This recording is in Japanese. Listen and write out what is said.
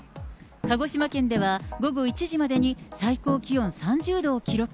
鹿児島県では、午後１時までに最高気温３０度を記録。